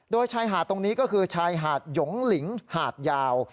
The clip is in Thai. โดยชายหาดตรงนี้ก็คือชายหาดหยงหลิงหาดยาว